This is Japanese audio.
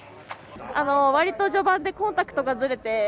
わりと序盤でコンタクトがずれて。